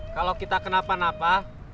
kalau kita kenapa napa